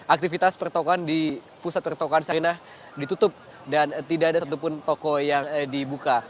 aktivitas pertokohan di pusat pertokohan sarinah ditutup dan tidak ada satupun toko yang dibuka